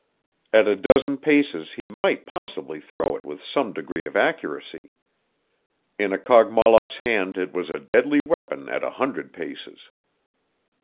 At a dozen paces he might possibly throw it with some degree of accuracy. In a Kogmollock's hand it was a deadly weapon at a hundred paces.